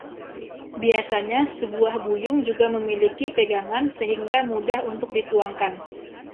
Biasanya sebuah buyung juga memiliki pegangan sehingga mudah untuk dituangkan.